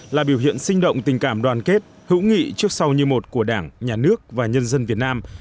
là biểu hiện sinh động tình cảm đoàn kết hữu nghị trước sau như một của đảng nhà nước và nhân dân việt nam